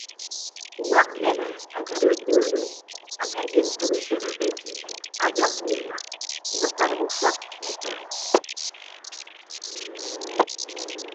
Uwak nneme akedo ke odu aketie ntoro usen abeti ọnyọññọ urua idʌkkọdʌk ufọk anye atọọñọ.